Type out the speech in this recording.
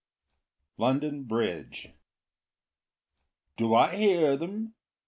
London Bridge "Do I hear them?